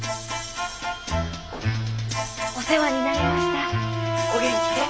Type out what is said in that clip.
お世話になりました。